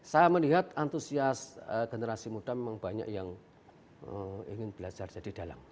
saya melihat antusias generasi muda memang banyak yang ingin belajar jadi dalang